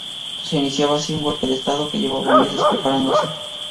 Se iniciaba así un golpe de estado que llevaba meses preparándose.